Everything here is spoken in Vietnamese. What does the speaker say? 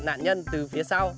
nạn nhân từ phía sau